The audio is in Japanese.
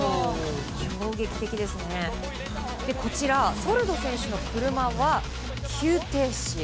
こちらソルド選手の車は急停止。